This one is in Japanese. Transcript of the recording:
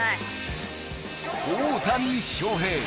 大谷翔平